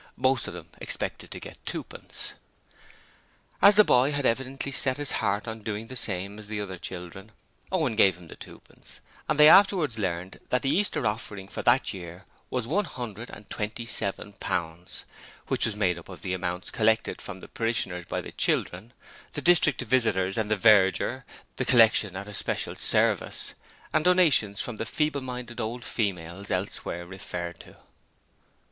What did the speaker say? Most of them expected to get twopence. As the boy had evidently set his heart on doing the same as the other children, Owen gave him the twopence, and they afterwards learned that the Easter Offering for that year was one hundred and twenty seven pounds, which was made up of the amounts collected from the parishioners by the children, the district visitors and the verger, the collection at a special Service, and donations from the feeble minded old females elsewhere referred to.